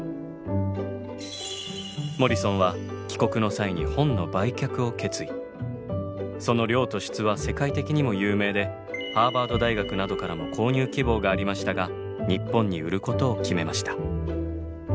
モリソンはその量と質は世界的にも有名でハーバード大学などからも購入希望がありましたが日本に売ることを決めました。